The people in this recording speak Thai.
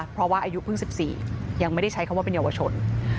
เพราะว่าอายุเพิ่ง๑๔ยังไม่ได้ใช้คำว่าเป็นเยาวชน